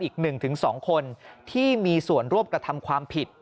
อีก๑๒คนที่มีส่วนร่วมกระทำความผิด